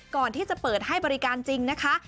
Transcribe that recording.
ก่อนที่จะเปิดให้บริการจริงนะคะ